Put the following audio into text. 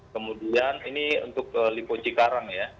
kemudian ini untuk lipoci karang ya